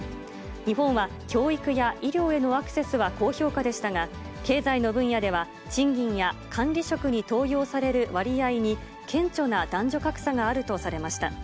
日本は教育や、医療へのアクセスは高評価でしたが、経済の分野では、賃金や管理職に登用される割合に、顕著な男女格差があるとされました。